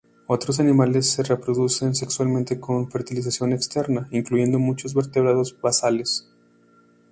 Otros animales se reproducen sexualmente con fertilización externa, incluyendo muchos vertebrados basales.